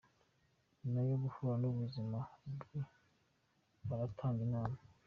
Nyuma yo guhura n’ubuzima bubi baratanga inama .